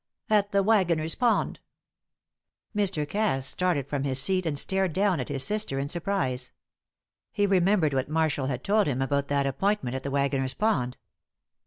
"At the Waggoner's Pond." Mr. Cass started from his seat and stared down at his sister in surprise. He remembered what Marshall had told him about that appointment at the Waggoner's Pond.